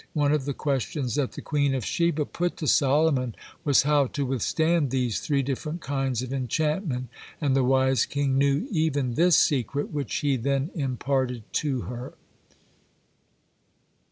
One of the questions that the Queen of Sheba put to Solomon was how to withstand these three different kinds of enchantment, and the wise king knew even this secret, which he then imparted to her.